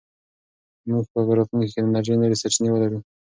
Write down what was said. موږ به په راتلونکي کې د انرژۍ نورې سرچینې ولرو.